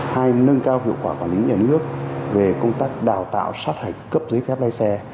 hai nâng cao hiệu quả quản lý nhà nước về công tác đào tạo sát hạch cấp giấy phép lái xe